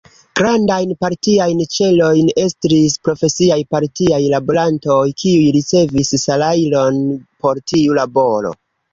Grandajn partiajn ĉelojn estris profesiaj partiaj laborantoj, kiuj ricevis salajron por tiu laboro.